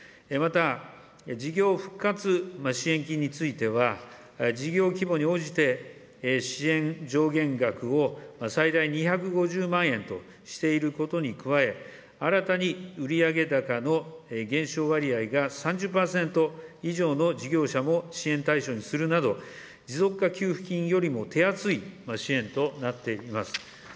また、事業復活支援金については、事業規模に応じて、支援上限額を最大２５０万円としていることに加え、新たに売上高の減少割合が３０％以上の事業者も支援対象にするなど、持続化給付金よりも手厚い支援となっています。